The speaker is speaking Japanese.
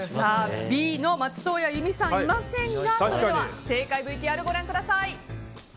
Ｂの松任谷由実さんはいませんがそれでは正解ＶＴＲご覧ください。